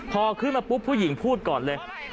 พอขึ้นมาปุ๊บผู้หญิงพูดก่อนเลย